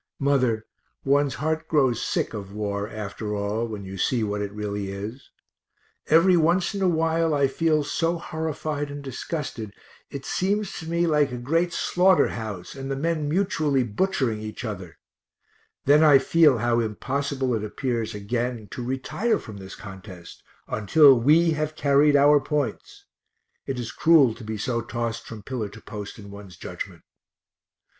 Mother, one's heart grows sick of war, after all, when you see what it really is; every once in a while I feel so horrified and disgusted it seems to me like a great slaughter house and the men mutually butchering each other then I feel how impossible it appears, again, to retire from this contest, until we have carried our points (it is cruel to be so tossed from pillar to post in one's judgment).